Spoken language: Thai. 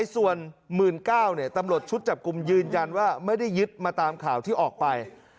ส่วน๑๙๐๐ตำรวจชุดจับกลุ่มยืนยันว่าไม่ได้ยึดมาตามข่าวที่ออกไป